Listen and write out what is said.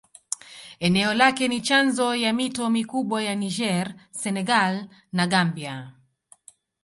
Eneo lake ni chanzo ya mito mikubwa ya Niger, Senegal na Gambia.